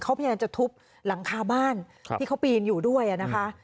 เขาพยายามจะทุบหลังคาบ้านที่เขาปีนอยู่ด้วยนะคะ